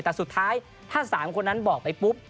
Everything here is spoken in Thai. แต่สุดท้ายถ้า๓คนนั้นบอกไปปุ๊บ